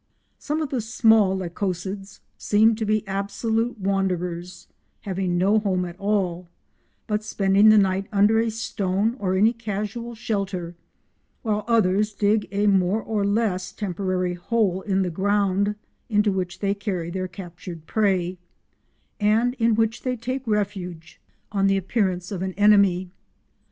Some of the small Lycosids seem to be absolute wanderers, having no home at all, but spending the night under a stone or any casual shelter, while others dig a more or less temporary hole in the ground into which they carry their captured prey, and in which they take refuge on the appearance of an enemy.